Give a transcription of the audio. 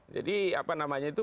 jadi apa namanya itu